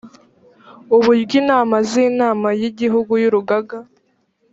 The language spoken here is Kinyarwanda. uburyo inama z inama y igihugu y urugaga